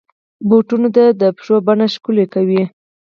بوټونه د پښو بڼه ښکلي کوي.